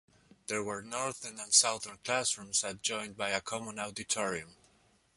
There were northern and southern classrooms adjoined by a common auditorium.